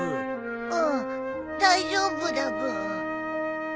うん大丈夫だブー。